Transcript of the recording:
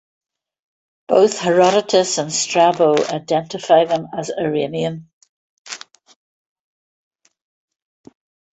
Both Herodotus and Strabo identify them as Iranian.